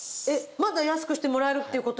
まだ安くしてもらえるって事よ。